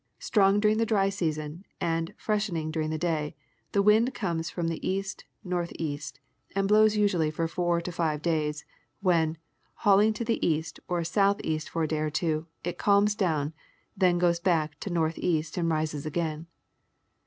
Strong during the dry season and fresh ening during the day ; the wind comes from the east northeast, and blows usually for four to five days, when, hauling to the east or southeast for a day or two, it calms down, then goes back to. northeast and rises again.